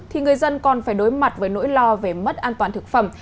thì người dân còn phải đối mặt với nỗi lo về mất an toàn thực phẩm